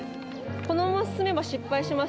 このまま進めば失敗します。